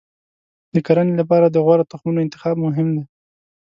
د کرنې لپاره د غوره تخمونو انتخاب مهم دی.